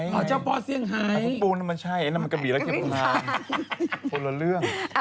เขาเล่นเรื่องอะไรเธอ